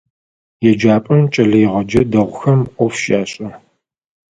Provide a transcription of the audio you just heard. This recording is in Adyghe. Еджапӏэм кӏэлэегъэджэ дэгъухэм ӏоф щашӏэ.